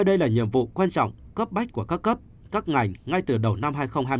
năm hai nghìn hai mươi hai là năm có ý nghĩa quan trọng cấp bách của các cấp các ngành ngay từ đầu năm hai nghìn hai mươi hai